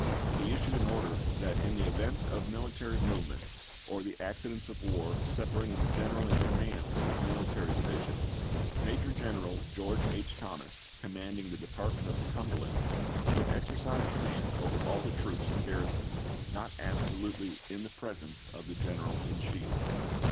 He issued an order that "in the event of military movements or the accidents of war separating the general in command from his military division, Ma jor G eneral George H. Thomas, commanding the Department of the Cumberland, would exercise command over all the troops and garrisons not absolutely in the presence of the General in Chief."